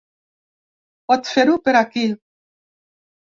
Pot fer-ho per aquí.